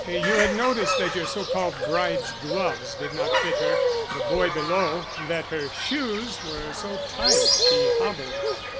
You had noticed that your so called bride's gloves did not fit her; the boy below, that her shoes were so tight she hobbled.